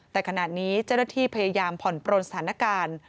แต่ขณะนี้เจ้าหน้าที่พยายามผ่อนปลนสถานการณ์